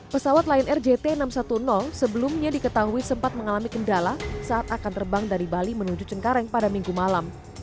pesawat lion air jt enam ratus sepuluh sebelumnya diketahui sempat mengalami kendala saat akan terbang dari bali menuju cengkareng pada minggu malam